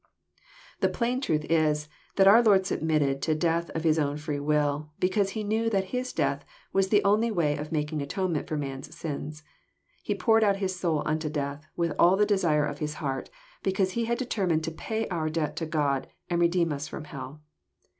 The plain truth is, that our Lord submitted to death of His own free will, because He knew that His death was the only way of making atonement for man's sins. He poured out His soul unto death with all the desire of His heart, because He had determined to pay our debt to God, and redeem us from hell.